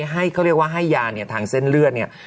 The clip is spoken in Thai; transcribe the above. ให้เขาเรียกว่าให้ยาเนี่ยทางเส้นเลือดเนี่ย